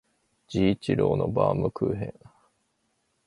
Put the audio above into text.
治一郎のバームクーヘン